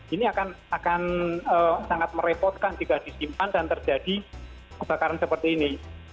ini akan sangat merepotkan jika disimpan dan terjadi kebakaran seperti ini